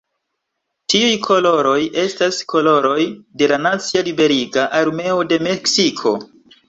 Tiuj koloroj estas la koloroj de la nacia liberiga armeo de Meksiko.